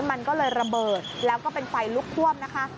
มันก็เลยระเบิดแล้วก็เป็นไฟลุกท่วมนะคะ